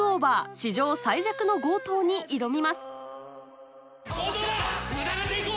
史上最弱の強盗』に挑みます強盗だ！